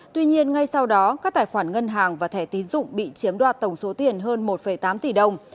tuy nhiên ngay sau đó các tài khoản ngân hàng và thẻ tín dụng bị chiếm đoạt tổng số tiền hơn một tám tỷ đồng